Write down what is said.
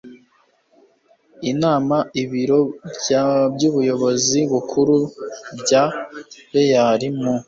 inama ibiro by ubuyobozi bukuru bwa rlea mu